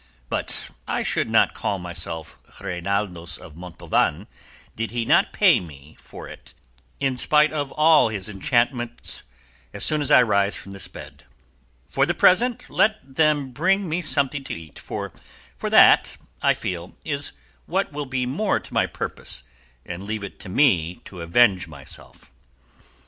But I should not call myself Reinaldos of Montalvan did he not pay me for it in spite of all his enchantments as soon as I rise from this bed. For the present let them bring me something to eat, for that, I feel, is what will be more to my purpose, and leave it to me to avenge myself."